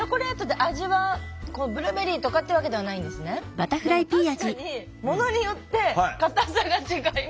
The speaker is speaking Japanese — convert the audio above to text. でも確かにものによって硬さが違います。